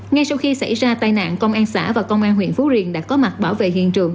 ngay sau khi xảy ra tai nạn công an xã và công an huyện phú riềng đã có mặt bảo vệ hiện trường